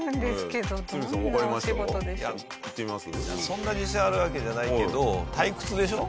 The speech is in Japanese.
そんな自信あるわけじゃないけど退屈でしょ？